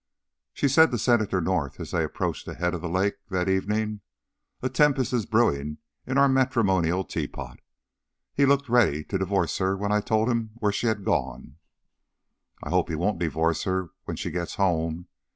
She said to Senator North as they approached the head of the lake that evening, "A tempest is brewing in our matrimonial teapot. He looked ready to divorce her when I told him where she had gone." "I hope he won't divorce her when she gets home.